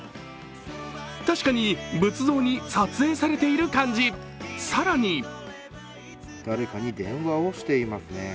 たしかに仏像に撮影されている感じ、更に誰かが電話していますね